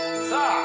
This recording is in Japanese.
さあ